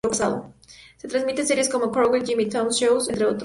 Se transmiten series como "Chowder", "Jimmy Two-Shoes", entre otros.